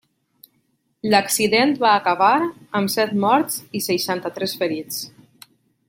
L'accident va acabar amb set morts i seixanta-tres ferits.